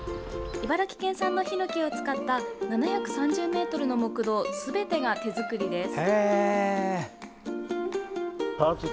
茨城県産のひのきを使った７３０ｍの木道すべてが手作りです。